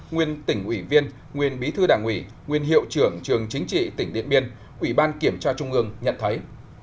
nguyên tỉnh ủy viên nguyên bí thư đảng ủy nguyên hiệu trưởng trường chính trị tỉnh điện biên ủy ban kiểm tra trung ương nhận thấy